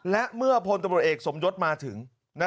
และเมื่อพลตำรวจเอกสมยศมาถึง